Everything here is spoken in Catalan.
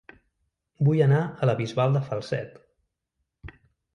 Vull anar a La Bisbal de Falset